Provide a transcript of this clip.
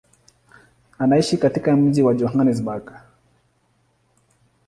Anaishi katika mji wa Johannesburg.